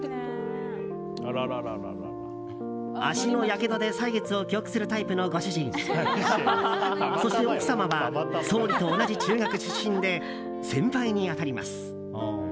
足のやけどで歳月を記憶するタイプのご主人そして奥様は総理と同じ中学出身で先輩に当たります。